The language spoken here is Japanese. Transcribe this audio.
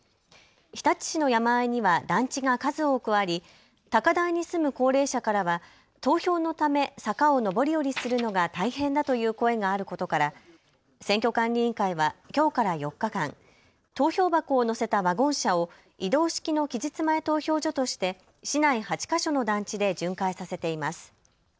日立市の山あいには団地が数多くあり高台に住む高齢者からは投票のため坂を上り下りするのが大変だという声があることから選挙管理委員会はきょうから４日間、投票箱を乗せたワゴン車を移動式の期日前投票所として市内８か所の団地で巡回させています。